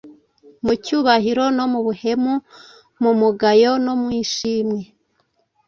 mu cyubahiro no mu buhemu, mu mugayo no mu ishimwe.